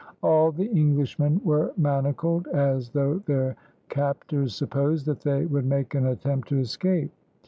All the Englishmen were manacled, as though their captors supposed that they would make an attempt to escape.